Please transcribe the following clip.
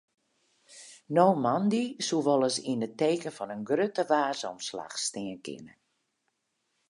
No moandei soe wolris yn it teken fan in grutte waarsomslach stean kinne.